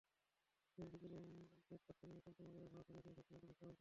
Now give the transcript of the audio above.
শেষ বিকেলে ব্যাট করতে নেমে পঞ্চম ওভারেই ভারত হারিয়ে ফেলেছে ওপেনার লোকেশ রাহুলকে।